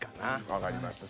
わかりました。